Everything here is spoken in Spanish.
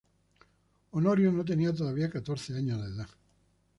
Honorio no tenía todavía catorce años de edad.